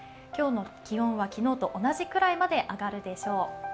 今日の気温は昨日と同じぐらいまで上がるでしょう。